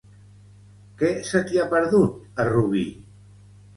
Què se t'hi ha perdut, a Rubi?